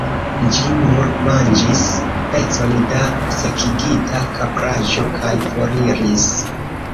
Ĝi nur manĝis pecon da sekigita kapraĵo, kaj foriris.